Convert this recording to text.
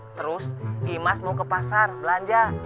terus imas mau ke pasar belanja